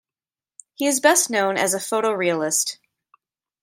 He is best known as a photorealist.